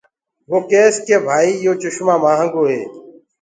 وو ڪيس ڪي ڀآئي يو چمو مهآنگو هي۔